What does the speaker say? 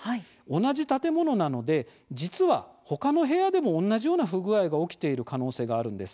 同じ建物なので実は他の部屋でも同じような不具合が起きている可能性があるんです。